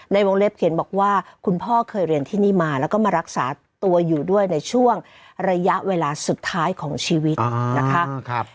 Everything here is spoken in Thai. ในวงเล็บเขียนบอกว่าคุณพ่อเคยเรียนที่นี่มาแล้วก็มารักษาตัวอยู่ด้วยในช่วงระยะเวลาสุดท้ายของชีวิตนะคะ